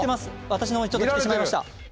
私の方へちょっと来てしまいました。